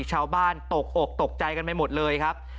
ชาวบ้านตกอกตกใจกันไม่หมดเลยครับ